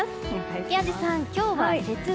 宮司さん、今日は節分。